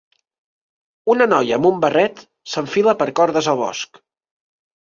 Una noia amb un barret s'enfila per cordes al bosc.